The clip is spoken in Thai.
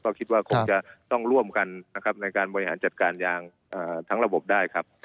ก็คิดว่าคงจะต้องร่วมกันนะครับในการบริหารจัดการยางทั้งระบบได้ครับ